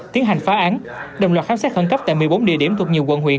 tiến hành phá án đồng loạt khám xét khẩn cấp tại một mươi bốn địa điểm thuộc nhiều quận huyện